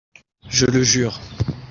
Je le jure !